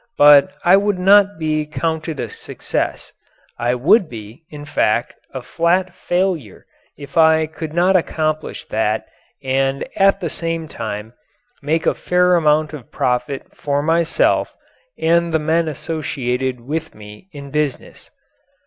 But I would not be counted a success; I would be, in fact, a flat failure if I could not accomplish that and at the same time make a fair amount of profit for myself and the men associated with me in business.